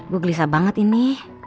bu gelisah banget ini